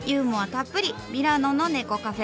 たっぷりミラノの猫カフェ。